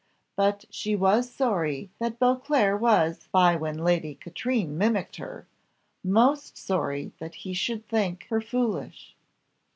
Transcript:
But she was sorry that Beauclere was by when Lady Katrine mimicked her; most sorry that he should think her foolish.